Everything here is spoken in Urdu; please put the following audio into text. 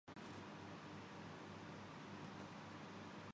کس نے ایسا کرنا تھا؟